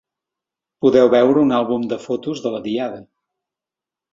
Podeu veure un àlbum de fotos de la Diada.